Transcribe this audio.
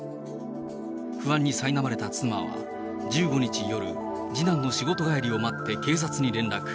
不安にさいなまれた妻は、１５日夜、次男の仕事帰りを待って警察に連絡。